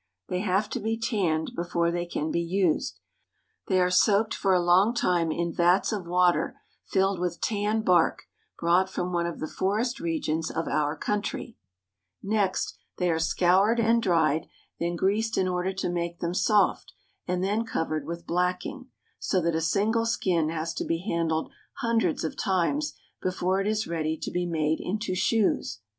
They have to be tanned before they can be used. They are soaked for a long time in vats of water filled with tan bark brought from one of the forest regions of our country ; next they 84 NEW ENGLAND. are scoured and dried, then greased in order to make them soft, and then covered with blacking, — so that a single skin has to be handled hundreds of times before it is ready to be made into shoes..